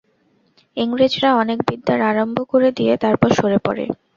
ইংরেজরা অনেক বিদ্যার আরম্ভ করে দিয়ে তারপর সরে পড়ে।